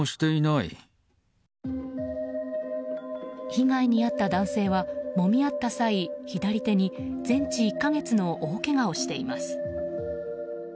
被害に遭った男性はもみ合った際左手に全治１か月の大けがをしています。